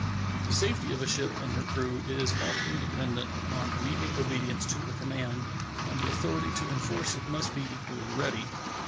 The safety of a ship and her crew is often dependent upon immediate obedience to a command, and the authority to enforce it must be equally ready.